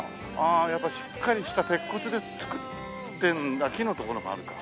あやっぱりしっかりした鉄骨で造ってあっ木のところもあるか。